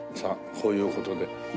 こういう事で。